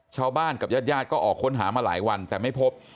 ชาวบ้านกับญาติญาติก็ออกค้นหามาหลายวันแต่ไม่พบ